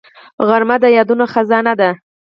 غرمه د یادونو خزانه ده